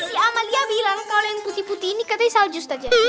si amalia bilang kalau yang putih putih ini katanya salju ustaz jahir